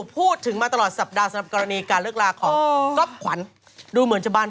เป็นยังไงกันบ้าง